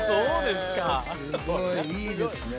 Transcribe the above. すごいいいですね。